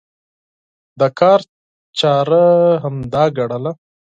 د کار چاره همدا ګڼله.